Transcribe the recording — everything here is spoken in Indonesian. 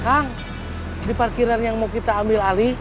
kang diparkiran yang mau kita ambil ali